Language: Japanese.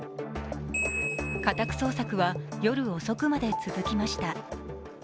家宅捜索は、夜遅くまで続きました。